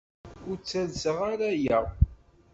Ur d-ttalseɣ ara aya.